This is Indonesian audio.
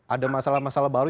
ada masalah masalah baru